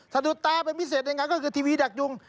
สดุแต่เป็นพิเศษในงานก็คือทีวีดักยุ้ง